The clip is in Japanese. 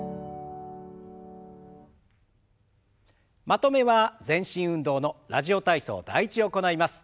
まとめは全身運動の「ラジオ体操第１」を行います。